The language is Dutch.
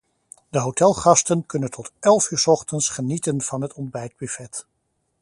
De hotelgasten kunnen tot elf uur 's ochtends genieten van het ontbijtbuffet.